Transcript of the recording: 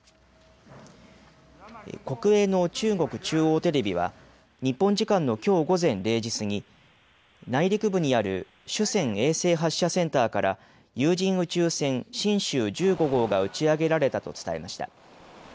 国営の中国中央テレビは日本時間のきょう午前０時過ぎ、内陸部にある酒泉衛星発射センターから有人宇宙船、神舟１５号が打ち上げられたと伝えました。